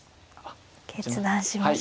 決断しましたね。